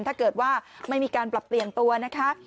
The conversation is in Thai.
ถ้าเกิดว่าไม่มีการปรับเปลี่ยนตัวนะคะ